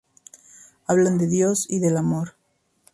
Hablan de Dios y del amor.